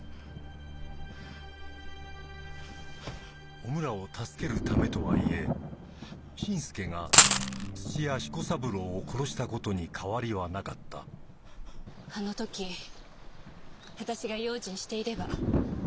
おむらを助けるためとはいえ新助が屋彦三郎を殺したことに変わりはなかったあの時私が用心していれば。